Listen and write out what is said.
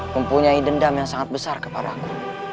mempunyai dendam yang sangat besar kepadaku